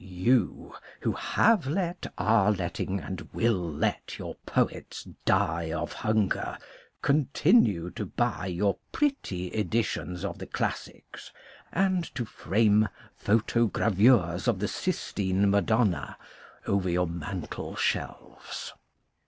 You, who have let, are letting, and will let your poets die of hunger, continue to buy your pretty editions of the classics and to frame photo gravures of the " Sistine Madonna " over your mantel shelves.